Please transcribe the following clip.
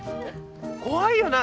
怖いよな